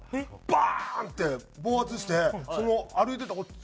バーンって暴発してその歩いてたおっちゃん